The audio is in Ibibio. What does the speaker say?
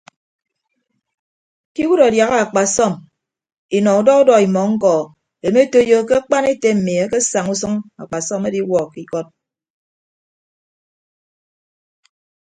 Ke iwuod adiaha akpasọm inọ udọ udọ imọ ñkọ emetoiyo ke akpan ete mmi akesaña usʌñ akpasọm ediwuọ ke ikọd.